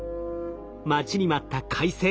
待ちに待った快晴。